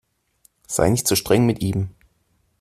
Sei nicht so streng mit ihm!